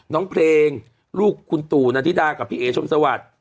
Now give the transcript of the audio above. น้องเพลงลูกคุณตู่นาธิดากับพี่เอ๋ชมสวัสดิ์